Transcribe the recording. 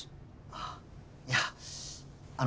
ああいやあの。